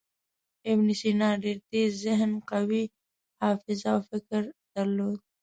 ابن سینا ډېر تېز ذهن، قوي حافظه او فکر درلود.